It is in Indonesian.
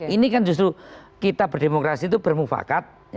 ini kan justru kita berdemokrasi itu bermufakat